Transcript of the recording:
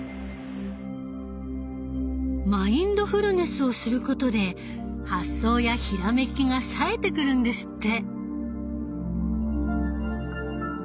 マインドフルネスをすることで発想やひらめきがさえてくるんですって。